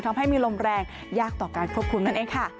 ทำให้มีลมแรงยากต่อการควบคุมนั่นเองค่ะ